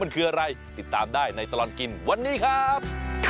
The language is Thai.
มันคืออะไรติดตามได้ในตลอดกินวันนี้ครับ